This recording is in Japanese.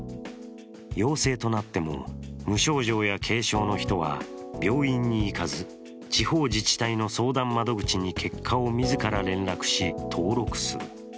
陽性となっても無症状や軽症の人は病院に行かず、地方自治体の相談窓口に結果を自ら連絡し、登録する。